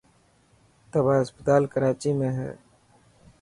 تباهه اسپتال ڪراچي ۾ هي.